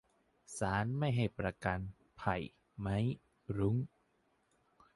ศาลไม่ให้ประกัน ไผ่ ไมค์ รุ้ง